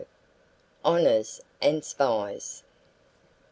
HONORS AND SPIES.